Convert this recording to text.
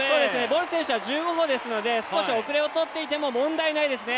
ボル選手は１５歩ですので少し遅れをとっていても問題はないですね。